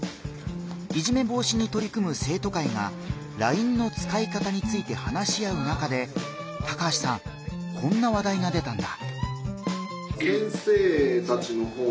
いじめ防止にとり組む生徒会がＬＩＮＥの使い方について話し合う中で高橋さんこんな話題が出たんだ。